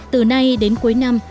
từ nay đến cuối năm